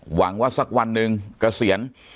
หวังว่าสักวันหนึ่งเกษียณ